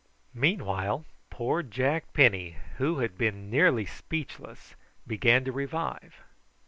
Meanwhile poor Jack Penny, who had been nearly speechless, began to revive.